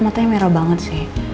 matanya merah banget sih